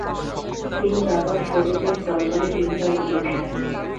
তিনি বাবা ফরিদের দরবারে তিনবার গিয়েছিলেন।